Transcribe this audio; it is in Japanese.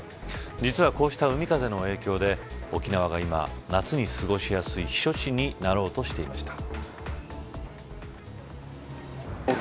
実は、こうした海風の影響で沖縄が今、夏に過ごしやすい避暑地になろうとしていました。